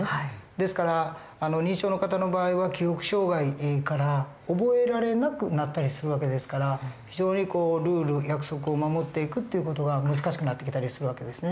ですから認知症の方の場合は記憶障害から覚えられなくなったりする訳ですから非常にルール約束を守っていくっていう事が難しくなってきたりする訳ですね。